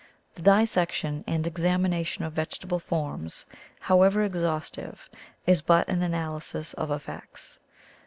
— The dissection and examination of vegetable forms, however exhaustive, is but an analysis of effects.